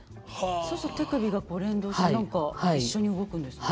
そうすると手首が連動して何か一緒に動くんですね。